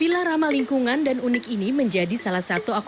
villa ramah lingkungan dan unik ini menjadi rumah tempat untuk berbicara